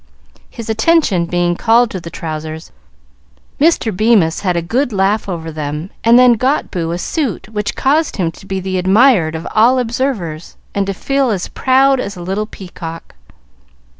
His attention being called to the trousers, Mr. Bemis had a good laugh over them, and then got Boo a suit which caused him to be the admired of all observers, and to feel as proud as a little peacock.